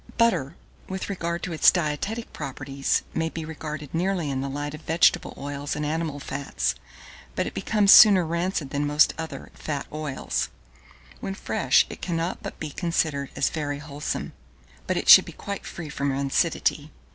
1617. Butter, with regard to its dietetic properties, may be regarded nearly in the light of vegetable oils and animal fats; but it becomes sooner rancid than most other fat oils. When fresh, it cannot but be considered as very wholesome; but it should be quite free from rancidity.